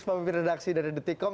pemimpin redaksi dari detikkom